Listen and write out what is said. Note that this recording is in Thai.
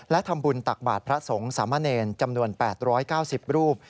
และทำบุญตักบาทพระสงฆ์สามะเนรจำนวน๘๙๐รูป